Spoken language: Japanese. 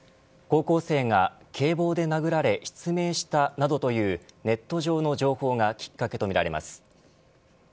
高校生が警棒で殴られ失明したなどというネット上の情報がきっかけとみられます。